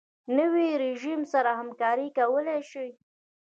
نوی رژیم سره همکاري کولای شي.